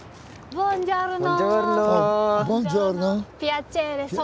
ボンジョルノ。